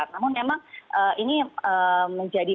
namun memang ini menjadi